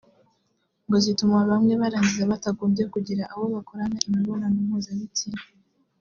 ngo zituma bamwe barangiza batagombye kugira abo bakorana imibonano mpuzabitsina